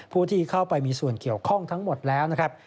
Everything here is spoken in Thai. ผู้ที่เข้าไปมีส่วนเกี่ยวข้องทั้งหมดแล้วนะครับ